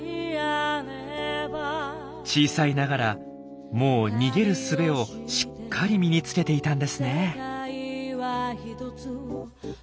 小さいながらもう逃げるすべをしっかり身につけていたんですね。